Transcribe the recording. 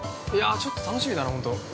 ちょっと楽しみだな、本当。